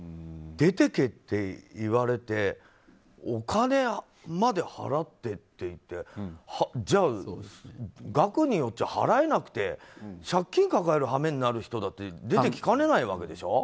出てけって言われて払ってっていってじゃあ、額によっては払えなくて借金抱える羽目になる人だって出てきかねないわけでしょ。